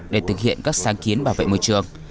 để thực hiện các sáng kiến bảo vệ môi trường